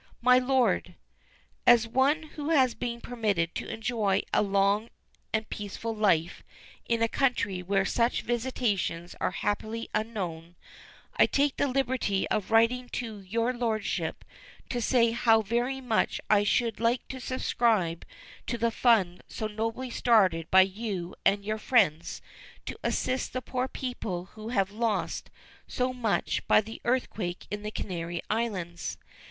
"MY LORD As one who has been permitted to enjoy a long and peaceful life in a country where such visitations are happily unknown, I take the liberty of writing to your Lordship to say how very much I should like to subscribe to the fund so nobly started by you and your friends to assist the poor people who have lost so much by the earthquake in the Canary Islands.